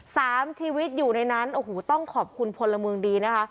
สามชีวิตอยู่ในนั้นโอ้โหต้องขอบคุณพลเมืองดีนะคะ